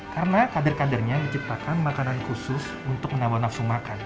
karena kader kadernya diciptakan makanan khusus untuk menambah nafsu makan